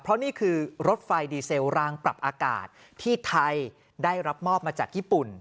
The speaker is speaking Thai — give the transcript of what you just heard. เพราะนี่คือรถไฟดีเซลรางปรับอากาศที่ไทยได้รับมอบมาจากญี่ปุ่น